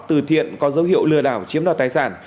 từ thiện có dấu hiệu lừa đảo chiếm đoạt tài sản